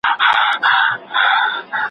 ډګر څېړنه تر میز څېړني ډېر وخت غواړي.